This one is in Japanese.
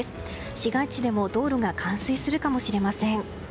市街地でも道路が冠水するかもしれません。